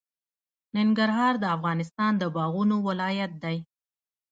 ننګرهار د افغانستان د باغونو ولایت دی.